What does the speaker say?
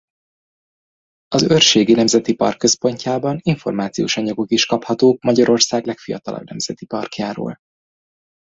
Az Őrségi Nemzeti Park központjában információs anyagok is kaphatók Magyarország legfiatalabb nemzeti parkjáról.